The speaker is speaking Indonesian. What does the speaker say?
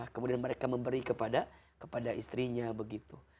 kemudian mereka memberi kepada istrinya begitu